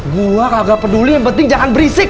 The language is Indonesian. gua kagak peduli yang penting jangan berisik